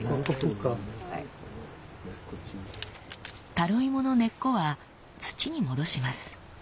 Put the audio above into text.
タロイモの根っこは土に戻します。